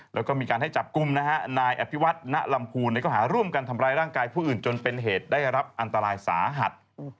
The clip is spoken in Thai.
แล้วก็มีการให้จับกลุ่มนะฮะนายอภิวัฒนลำพูนในข้อหาร่วมกันทำร้ายร่างกายผู้อื่นจนเป็นเหตุได้รับอันตรายสาหัส